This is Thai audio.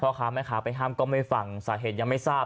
ค้าแม่ค้าไปห้ามก็ไม่ฟังสาเหตุยังไม่ทราบ